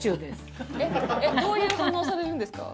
どういう反応されるんですか？